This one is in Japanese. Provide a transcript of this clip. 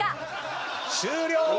終了！